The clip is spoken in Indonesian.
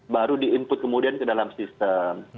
baru di input kemudian ke dalam sistem